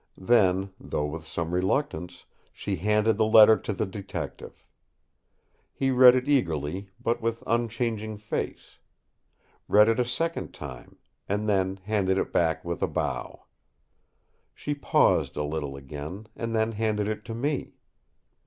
Then, though with some reluctance, she handed the letter to the Detective. He read it eagerly but with unchanging face; read it a second time, and then handed it back with a bow. She paused a little again, and then handed it to me.